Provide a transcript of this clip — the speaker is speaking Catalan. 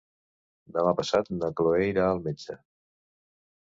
Demà passat na Chloé irà al metge.